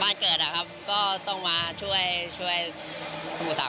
บ้านเกิดก็ต้องมาช่วยสมุทธศาล